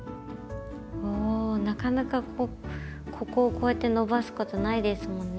おなかなかこうここをこうやって伸ばすことないですもんね。